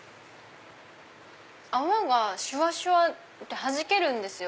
泡がシュワシュワってはじけるんですよ。